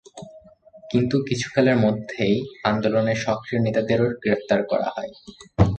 কিন্তু কিছুকালের মধ্যেই আন্দোলনে সক্রিয় নেতাদেরকেও গ্রেফতার করা হয়।